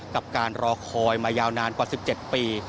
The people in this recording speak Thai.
กับการรอคอยมายาวนานกว่า๑๗ปี